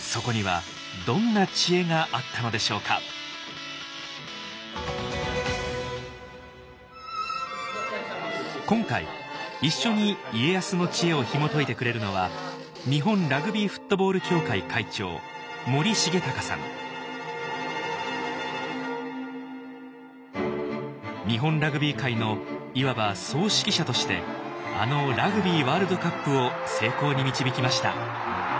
そこには今回一緒に家康の知恵をひもといてくれるのは日本ラグビー界のいわば総指揮者としてあのラグビーワールドカップを成功に導きました。